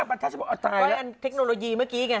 ๕บันทัศน์อ่ะตายแล้วเทคโนโลยีเมื่อกี้ไง